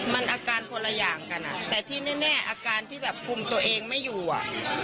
มันอาการคนละอย่างกันอ่ะแต่ที่แน่อาการที่แบบคุมตัวเองไม่อยู่อ่ะ